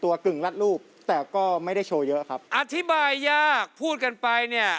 อะไรพี่มีข้ามอะไร